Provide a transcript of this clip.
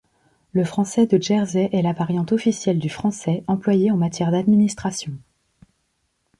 Le français de Jersey est la variante officielle du français, employée en matière d’administration.